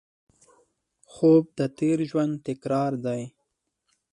خوب د تېر ژوند تکرار دی